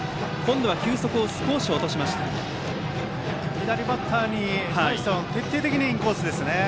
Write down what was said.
左バッターに対しては徹底的にインコースですね。